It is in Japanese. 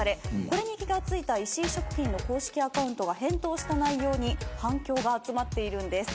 これに気が付いた石井食品の公式アカウントが返答した内容に反響が集まっているんです。